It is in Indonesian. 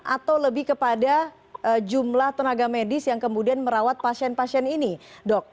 atau lebih kepada jumlah tenaga medis yang kemudian merawat pasien pasien ini dok